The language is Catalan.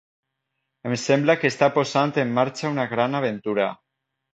Em sembla que està posant en marxa una gran aventura.